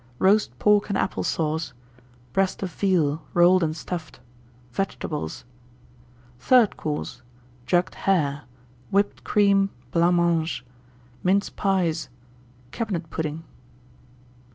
Roast Pork and Apple Sauce. Breast of Veal, Rolled and Stuffed. Vegetables. THIRD COURSE. Jugged Hare. Whipped Cream, Blancmange. Mince Pies. Cabinet Pudding.